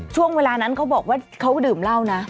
ช่วงเวลานั้นเขาบอกว่าเขาดื่มเหล้านะ